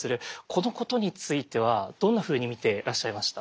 このことについてはどんなふうに見てらっしゃいました？